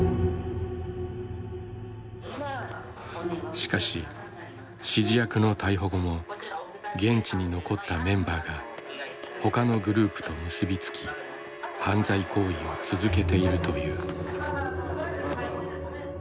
しかし指示役の逮捕後も現地に残ったメンバーがほかのグループと結び付き犯罪行為を続けているという。